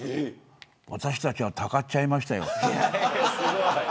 私たちはたかっちゃいましたよ。